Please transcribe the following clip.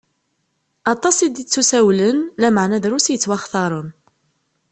Aṭas i d-ittusawlen, lameɛna drus i yettwaxtaṛen.